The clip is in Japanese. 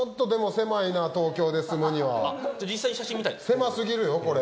狭すぎるよこれ。